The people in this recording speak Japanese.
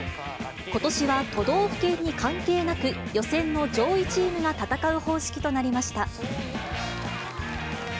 ことしは都道府県に関係なく、予選の上位チームが戦う方式となりました。